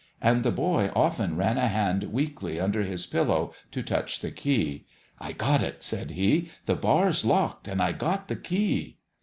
And the boy often ran a hand weakly under his pillow to touch the key. " I got it," said he. "The bar's locked and I got the key."